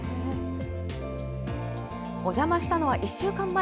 お邪魔したのは１週間前。